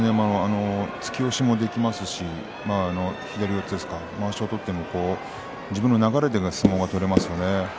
突き押しもできますし左四つですかまわしを取っても自分の流れでの相撲が取れますからね。